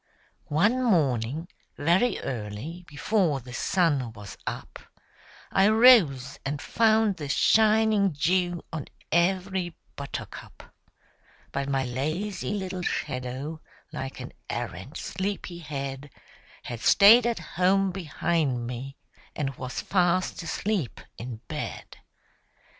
MY SHADOW [Pg 21] One morning, very early, before the sun was up, I rose and found the shining dew on every buttercup; But my lazy little shadow, like an arrant sleepy head, Had stayed at home behind me and was fast asleep in bed.